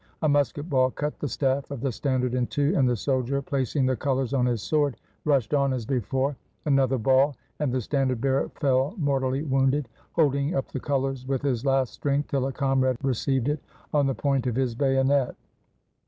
A musket ball cut the staff of the standard in two, and the soldier, placing the colors on his sword, rushed on as before — another ball, and the standard bearer fell mortally wounded, holding up the colors with his last strength, till a comrade received it on the point of his bayonet.